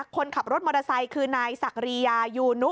คนขับรถมอเตอร์ไซค์คือนายศักรียายูนุ